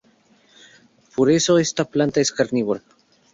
Por eso esta planta es carnívora.